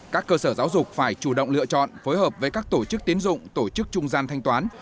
các cơ sở giáo dục phải chủ động lựa chọn phối hợp với các tổ chức tiến dụng tổ chức trung gian thanh toán